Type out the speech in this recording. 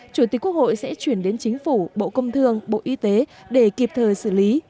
chủ tịch quốc hội sẽ chuyển đến chính phủ bộ công thương bộ y tế để kịp thời xử lý